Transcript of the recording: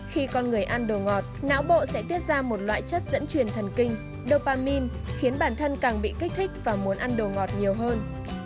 khi con người ăn đồ ngọt não bộ sẽ tiết ra một loại chất dẫn truyền thần kinh dopamin khiến bản thân càng bị kích thích và muốn ăn đồ ngọt nhiều hơn